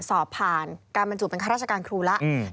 สอบผ่านการบรรจุเป็นข้าราชการครูแล้ว